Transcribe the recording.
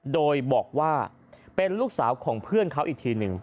โดยบอกว่าเป็นลูกสาวของเพื่อนเขาอีกทีหนึ่ง